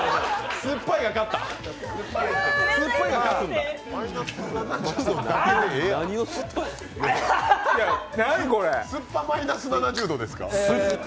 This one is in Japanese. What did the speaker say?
酸っぱマイナス７０度ですから。